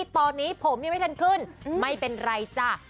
ตอนนี้ผมยังไม่ทันขึ้นไม่เป็นไรจ้ะ